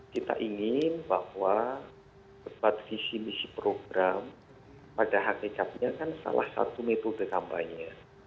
kita ingin bahwa debat visi misi program pada hakikatnya kan salah satu metode kampanye